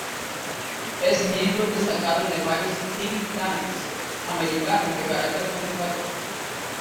Es miembro destacado de varios "think-tanks" americanos de caracter conservador.